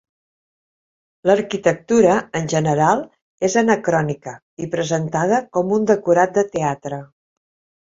L'arquitectura en general és anacrònica i presentada com un decorat de teatre.